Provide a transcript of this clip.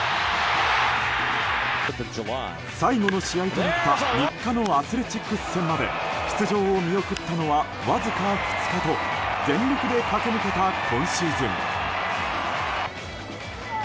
最後の試合となった３日のアスレチックス戦まで出場を見送ったのはわずか２日と全力で駆け抜けた今シーズン。